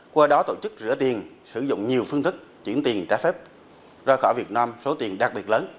qua đó tổ chức rửa tiền sử dụng nhiều phương thức chuyển tiền trả phép ra khỏi việt nam số tiền đặc biệt lớn